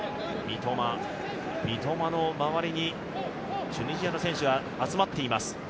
三笘の周りにチュニジアの選手が集まっています。